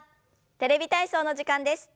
「テレビ体操」の時間です。